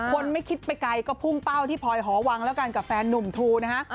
คนไม่คิดไปไกลก็พุ่งเป้าที่พลอยหอวังแล้วกันกับแฟนนุ่มทูนะฮะ